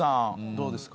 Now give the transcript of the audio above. どうですか？